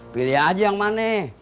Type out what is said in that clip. pilih aja yang mana